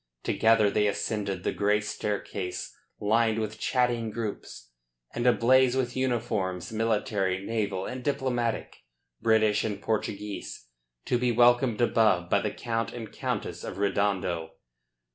Together they ascended the great staircase, lined with chatting groups, and ablaze with uniforms, military, naval and diplomatic, British and Portuguese, to be welcomed above by the Count and Countess of Redondo.